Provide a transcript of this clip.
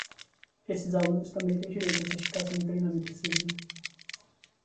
Esses alunos também têm direito à certificação do treinamento recebido.